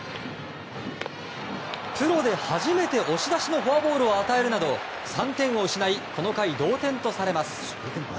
プロで初めて押し出しのフォアボールを与えるなど３点を失いこの回、同点とされます。